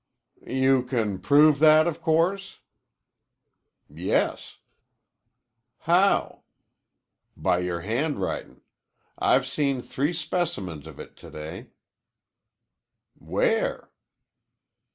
"You can prove that, o' course." "Yes." "How?" "By your handwritin'. I've seen three specimens of it to day." "Where?"